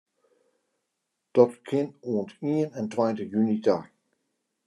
Dat kin oant ien en tweintich juny ta.